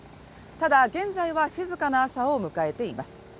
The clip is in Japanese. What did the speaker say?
ただ現在は静かな朝を迎えています